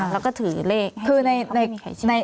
แล้วก็ถือเลขไม่มีใครชี้